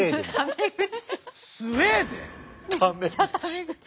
タメ口。